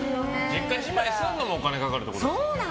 実家じまいするのもお金かかるってことですか。